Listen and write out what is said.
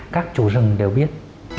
các chủ rừng đều biết